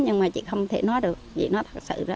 nhưng mà chị không thể nói được